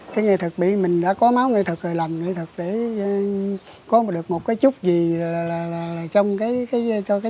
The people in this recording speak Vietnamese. cái nghệ thuật bị mình đã có máu nghệ thuật rồi làm nghệ thuật để có được một cái chút gì là trong cái